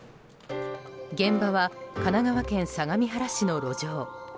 現場は神奈川県相模原市の路上。